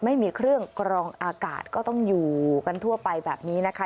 ไม่มีเครื่องกรองอากาศก็ต้องอยู่กันทั่วไปแบบนี้นะคะ